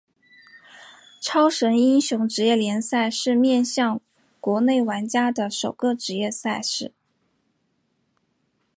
超神英雄职业联赛是面向国内玩家的首个职业赛事。